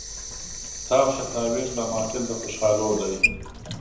تاو شه تاویږه دا محفل د خوشحالو دی